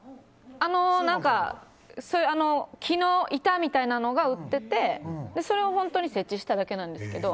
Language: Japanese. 木の板みたいなのが売っててそれを本当に設置しただけなんですけど。